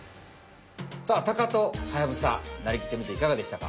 さあタカとハヤブサなりきってみていかがでしたか？